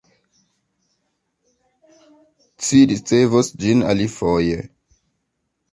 Ci ricevos ĝin alifoje.